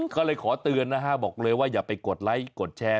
ก็เลยขอเตือนนะฮะบอกเลยว่าอย่าไปกดไลค์กดแชร์